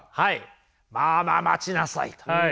まあまあ待ちなさいと。